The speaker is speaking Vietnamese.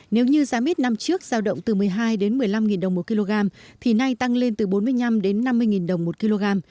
nếu như giá mít năm trước giao động từ một mươi hai một mươi năm nghìn đồng một kg thì nay tăng lên từ bốn mươi năm năm mươi nghìn đồng một kg